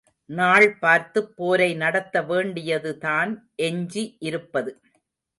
நாள் பார்த்துப் போரை நடத்த வேண்டியது தான் எஞ்சி இருப்பது.